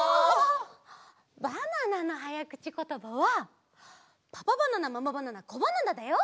バナナのはやくちことばはパパバナナママバナナコバナナだよ！